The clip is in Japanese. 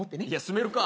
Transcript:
住めるか！